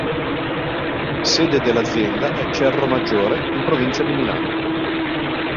Sede dell'Azienda è Cerro Maggiore in provincia di Milano.